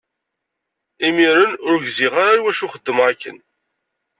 Imiren ur gziɣ ara i wacu i xeddmeɣ akken.